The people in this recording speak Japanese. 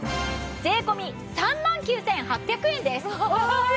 税込３万９８００円です！わあ！